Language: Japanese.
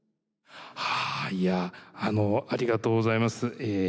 はあいやありがとうございます。